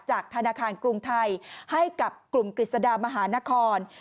จากธนาคารกรุงไทยให้กับกลุ่มกฤษฎามหานคร